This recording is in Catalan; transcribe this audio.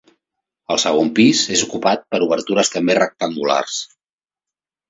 El segon pis és ocupat per obertures també rectangulars.